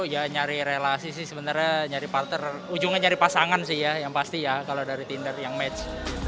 ya nyari relasi sih sebenarnya nyari parter ujungnya nyari pasangan sih ya yang pasti ya kalau dari tinder yang match